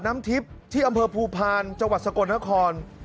น้ำทิบที่อำเภอภูพาลจังหวัดสะกดห้าคร